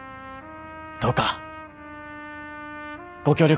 どうかご協力